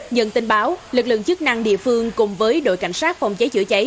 nhận tin báo lực lượng chức năng địa phương cùng với đội cảnh sát phòng cháy chữa cháy